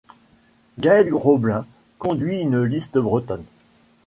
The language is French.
Gaël Roblin conduit une liste bretonne.